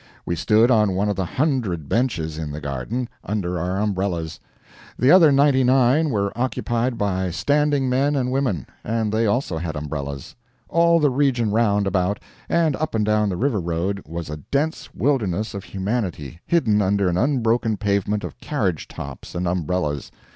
We stood on one of the hundred benches in the garden, under our umbrellas; the other ninety nine were occupied by standing men and women, and they also had umbrellas. All the region round about, and up and down the river road, was a dense wilderness of humanity hidden under an unbroken pavement of carriage tops and umbrellas.